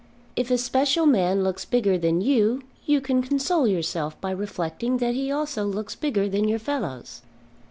If a special man looks bigger than you, you can console yourself by reflecting that he also looks bigger than your fellows.